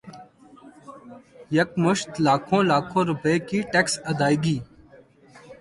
یکمشت لاکھوں لاکھوں روپے کے ٹیکس ادائیگی